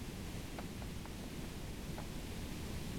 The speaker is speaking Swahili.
Riyad na kuanzisha tena emirati ndogo lakini mamlaka yake haikuenea